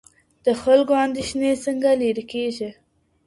د خلګو اندیښنې څنګه لرې کیږي؟